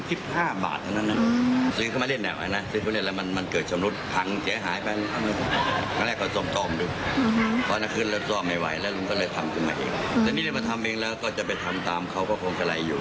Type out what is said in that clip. แต่นี่เราก็ทำเองแล้วก็จะไปทำตามเขาเพราะโครงการัยอยู่